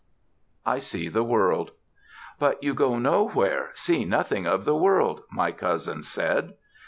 I SEE THE WORLD "But you go nowhere, see nothing of the world," my cousins said.